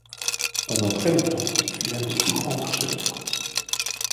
Pendant très longtemps, il fut l'un des plus grands marchés de France.